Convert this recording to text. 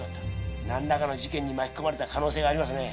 何らかの事件に巻き込まれた可能性がありますね。